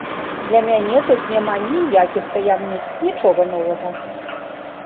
Для мяне тут няма ніякіх таямніц, нічога новага.